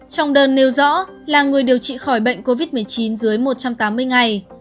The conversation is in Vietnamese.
trong đơn nêu rõ là người điều trị khỏi bệnh covid một mươi chín dưới một trăm tám mươi ngày